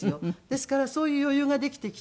ですからそういう余裕ができてきて。